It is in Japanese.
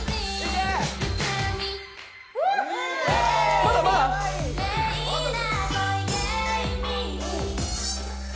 まだまだ。